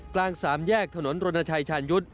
กลางสามแยกถนนรณชัยชาญยุทธ์